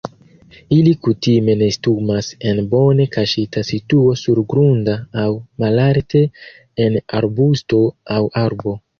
Ili kutime nestumas en bone kaŝita situo surgrunda aŭ malalte en arbusto aŭ arbo.